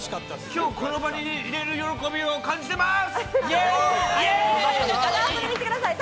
今日この場にいれる喜びを感じてます！